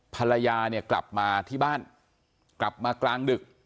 ภรรยาเนี่ยกลับมาที่บ้านกลับมากลางดึก